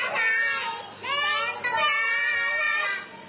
ทุกอย่างเป็นชาติ